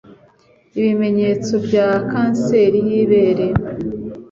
ibimenyetso bya kanseri y'ibere